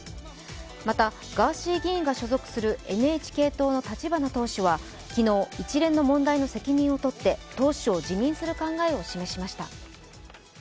また、ガーシー議員が所属するＮＨＫ党の立花党首は一連の問題の責任を取って党首を辞任する考えを示しました。